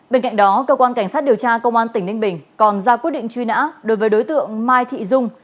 bên cạnh đó cơ quan cảnh sát điều tra công an tỉnh ninh bình còn ra quyết định truy nã đối với đối tượng mai thị dung